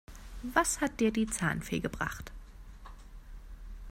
Was hat dir die Zahnfee gebracht?